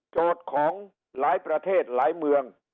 ของหลายประเทศหลายเมือง